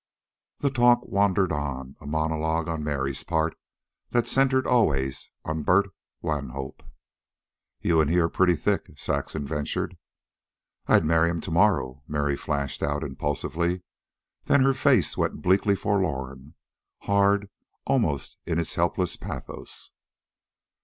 The talk wandered on, a monologue on Mary's part, that centered always on Bert Wanhope. "You and he are pretty thick," Saxon ventured. "I'd marry'm to morrow," Mary flashed out impulsively. Then her face went bleakly forlorn, hard almost in its helpless pathos.